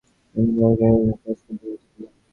ভয়াবহ পানি সংকটে কৃষকেরা জমি চাষ করতে পারছেন না।